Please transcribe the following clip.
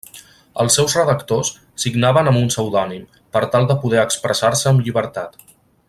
Els seus redactors signaven amb un pseudònim, per tal de poder expressar-se amb llibertat.